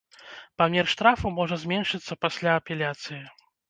Памер штрафу можа зменшыцца пасля апеляцыі.